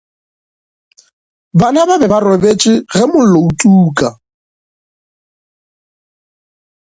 Bana ba be ba robetše ge mollo o tuka.